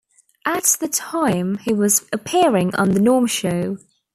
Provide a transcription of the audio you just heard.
At the time he was appearing on "The Norm Show".